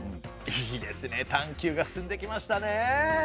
いいですね探究が進んできましたねえ。